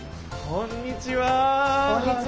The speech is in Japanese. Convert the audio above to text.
こんにちは！